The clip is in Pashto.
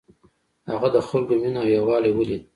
هغه د خلکو مینه او یووالی ولید.